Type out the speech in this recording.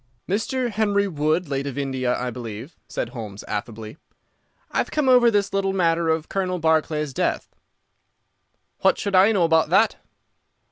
"Mr. Henry Wood, late of India, I believe," said Holmes, affably. "I've come over this little matter of Colonel Barclay's death." "What should I know about that?"